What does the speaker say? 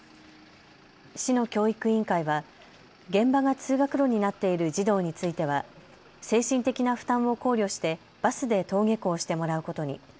市の教育委員会は現場が通学路になっている児童については精神的な負担を考慮してバスで登下校してもらうことに。